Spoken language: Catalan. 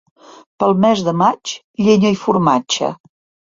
Pel mes de maig, llenya i formatge.